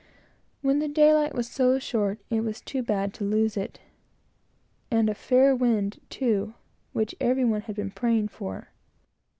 When the daylight was so short, it was too bad to lose it, and a fair wind, too, which every one had been praying for.